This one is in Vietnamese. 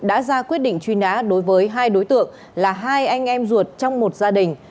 đã ra quyết định truy nã đối với hai đối tượng là hai anh em ruột trong một gia đình